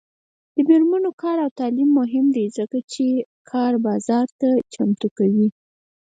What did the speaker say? د میرمنو کار او تعلیم مهم دی ځکه چې کار بازار ته چمتو کوي.